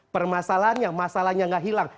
permasalahannya masalahnya gak hilang